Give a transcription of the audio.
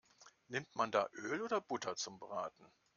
Nimmt man da Öl oder Butter zum Braten?